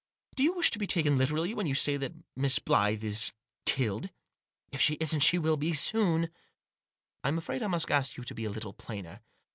Do you wish to be taken literally when you say that Miss Blyth is— killed?" " If she isn't she will be soon." " Fm afraid I must ask you to be a little plainer.